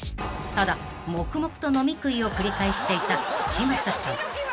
［ただ黙々と飲み食いを繰り返していた嶋佐さん］